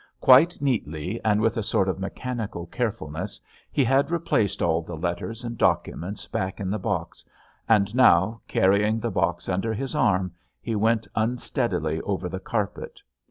Quite neatly, and with a sort of mechanical carefulness, he had replaced all the letters and documents back in the box, and now, carrying the box under his arm, he went unsteadily over the carpet.